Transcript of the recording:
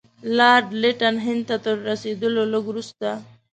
لارډ لیټن هند ته تر رسېدلو لږ وروسته.